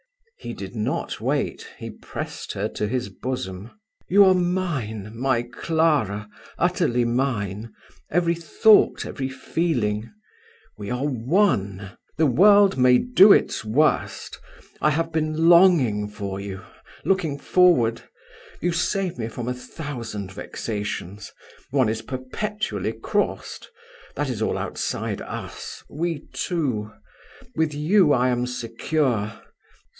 He did not wait. He pressed her to his bosom. "You are mine, my Clara utterly mine; every thought, every feeling. We are one: the world may do its worst. I have been longing for you, looking forward. You save me from a thousand vexations. One is perpetually crossed. That is all outside us. We two! With you I am secure!